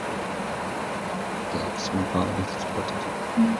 The ex-"Erben" is reported to have been broken up.